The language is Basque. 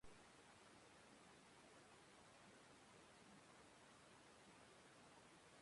Hiru lagunek, berriz elkar ikusi zuten Uharte Zurian.